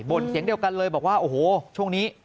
่นเสียงเดียวกันเลยบอกว่าโอ้โหช่วงนี้